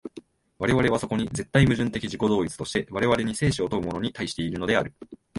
我々はそこに絶対矛盾的自己同一として、我々に生死を問うものに対しているのである。